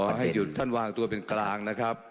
ให้ยุ่นขอให้ยุ่นท่านวางตัวเป็นกลางนะครับ